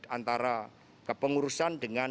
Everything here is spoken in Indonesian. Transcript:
antara kepengurusan dengan